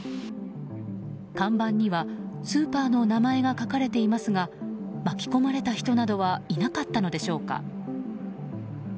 看板にはスーパーの名前が書かれていますが巻き込まれた人などはいなかったのでしょうか。